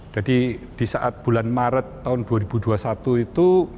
jadi di saat bulan maret tahun dua ribu dua puluh satu itu